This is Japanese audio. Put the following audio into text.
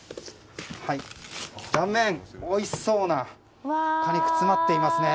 断面、おいしそうな果肉が詰まっていますね。